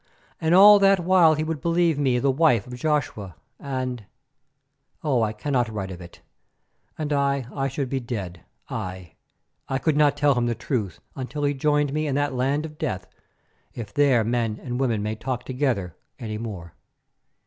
And all that while he would believe me the wife of Joshua, and—oh! I cannot write of it. And I, I should be dead; I, I could not tell him the truth until he joined me in that land of death, if there men and women can talk together any more.